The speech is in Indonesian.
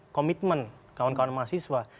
komitmen kawan kawan mahasiswa